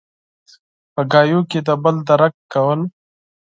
– په خبرو کې د بل درک کول.